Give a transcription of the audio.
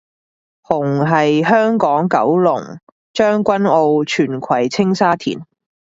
紅係香港九龍將軍澳荃葵青沙田